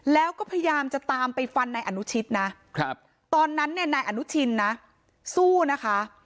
แล้วก็พยายามจะตามไปฟันนายอนุชิตนะตอนนั้นเนี่ยนายอนุชินนะสู้นะคะ